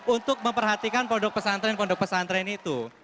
untuk memperhatikan produk pesantren produk pesantren itu